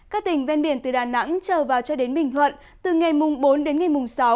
các tỉnh ven biển từ đà nẵng trở vào cho đến bình thuận từ ngày mùng bốn đến ngày mùng sáu